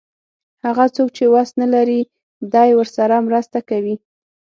هغه څوک چې وس نه لري دی ورسره مرسته کوي.